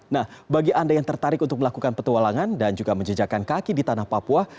nah bagi anda yang tertarik untuk melakukan petualangan dan juga menjejakan kaki di tanah papua